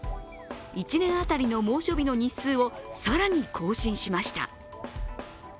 １年当たりの猛暑日の日数を更に更新しました。